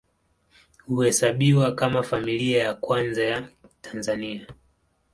Huhesabiwa kama Familia ya Kwanza ya Tanzania.